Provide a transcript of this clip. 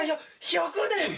１００年！？